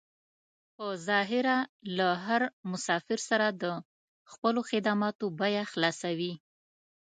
په ظاهره له هر مسافر سره د خپلو خدماتو بيه خلاصوي.